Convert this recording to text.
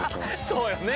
そうよね。